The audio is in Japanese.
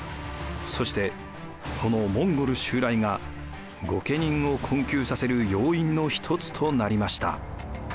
そしてこのモンゴル襲来が御家人を困窮させる要因の一つとなりました。